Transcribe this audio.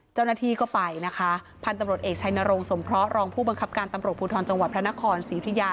เจ้าหน้าที่ก็ไปนะคะพันธุ์ตำรวจเอกชัยนรงสมเคราะหรองผู้บังคับการตำรวจภูทรจังหวัดพระนครศรีอุทิยา